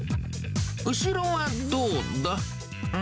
後ろはどうだ？